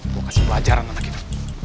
gua kasih pelajaran sama kita